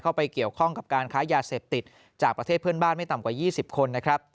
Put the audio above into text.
ไปเกี่ยวข้องกับการค้ายาเสพติดจากประเทศเพื่อนบ้านไม่ต่ำกว่า๒๐คนนะครับ